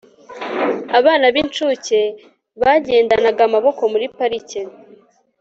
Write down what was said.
abana b'incuke bagendanaga amaboko muri parike